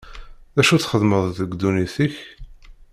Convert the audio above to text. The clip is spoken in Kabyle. D acu i txeddmeḍ deg ddunit-k?